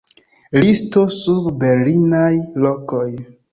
Listo sub Berlinaj lokoj.